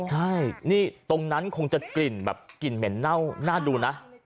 ใช่นี่ตรงนั้นคงจะกลิ่นแบบกลิ่นเหม็นเน่าน่าดูนะ